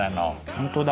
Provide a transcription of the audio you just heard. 本当だ。